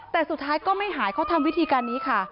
แต่สุดท้ายก็ไม่หายเขาทำวิธีการนี้ค่ะ